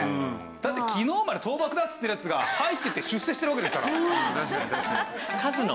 だって昨日まで「倒幕だ！」って言ってるヤツが入っていって出世してるわけですから。